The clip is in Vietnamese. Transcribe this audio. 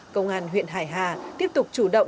công an huyện hải hà tiếp tục chủ động